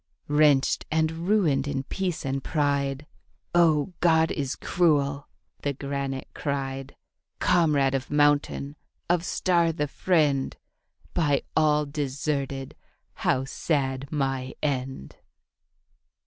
Wrenched, and ruined in peace and pride, 'Oh, God is cruel,' the granite cried, 'Comrade of mountain, of star the friend, By all deserted how sad my end.'